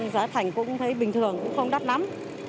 giá thành cũng thấy bình thường cũng không đắt lắm